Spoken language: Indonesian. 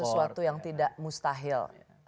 sesuatu yang tidak mustahil